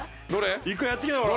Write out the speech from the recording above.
１回やってきなよほら。